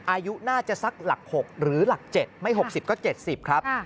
อายุน่าจะสักหลัก๖หรือหลัก๗ไม่๖๐ก็๗๐ครับ